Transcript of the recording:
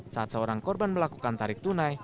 saat seorang korban melakukan tarik tunai